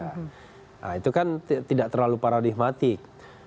nah itu kan tidak terlalu paradigmatik